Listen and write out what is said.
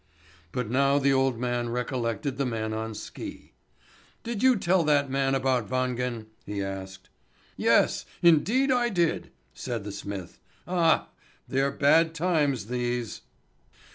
But now the old man recollected the man on ski. "Did you tell that man about Wangen?" he asked. "Yes, indeed I did," said the smith. "Ah, they're bad times these!"